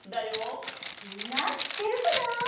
みんなしってるかな？